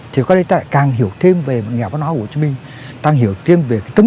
thì có đây shop akan hiểu hết nghe nội ngũ của huỳnh minh